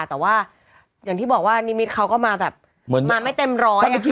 แต่ว่าอย่างที่บอกว่านิมิตรเขาก็มาแบบเหมือนมาไม่เต็มร้อยอะค่ะ